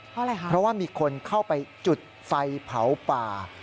เพราะว่ามีคนเข้าไปจุดไฟเผาป่า